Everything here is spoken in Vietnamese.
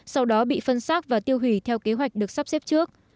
sau đó bị phân xác và tiêu hủy theo kế hoạch được sắp xếp trước